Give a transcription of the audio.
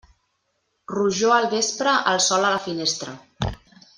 Rojor al vespre, el sol a la finestra.